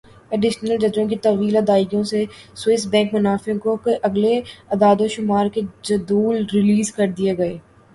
additional ججوں کی طویل ادائیگیوں سے سوئس بینک منافعوں کے اگلے اعدادوشمار کے جدول ریلیز کر دیے گئے